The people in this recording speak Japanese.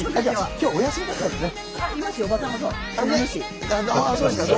今日はお休みだったんですね。